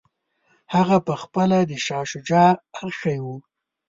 هغه پخپله د شاه شجاع اخښی وو.